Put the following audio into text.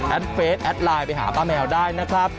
เฟสแอดไลน์ไปหาป้าแมวได้นะครับ